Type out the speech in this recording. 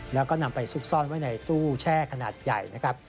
แล้วก็นำไปซุกซ่อนไว้ในตู้แช่ขนาดใหญ่นะครับ